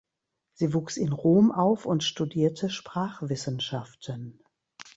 Sie wuchs in Rom auf und studierte Sprachwissenschaften.